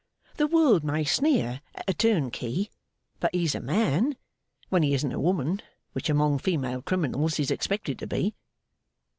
The world may sneer at a turnkey, but he's a man when he isn't a woman, which among female criminals he's expected to be.